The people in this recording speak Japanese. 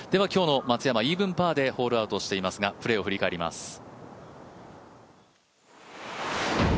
今日の松山、イーブンパーでホールアウトしていますがプレーを振り返ります。